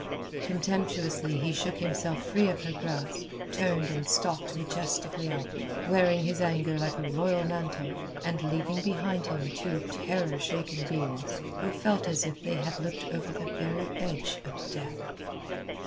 Contemptuously he shook himself free of her grasp, turned and stalked majestically out, wearing his anger like a royal mantle, and leaving behind him two terror shaken beings, who felt as if they had looked over the very edge of death.